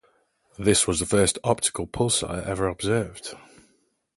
This was the first optical pulsar ever observed.